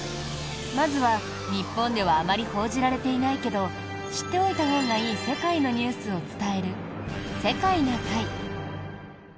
まずは、日本ではあまり報じられていないけど知っておいたほうがいい世界のニュースを伝える「世界な会」。